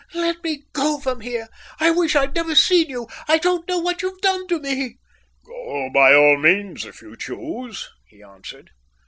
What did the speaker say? "Let me go from here. I wish I'd never seen you. I don't know what you've done with me." "Go by all means if you choose," he answered.